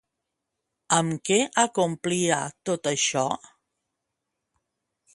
Amb què acomplia tot això?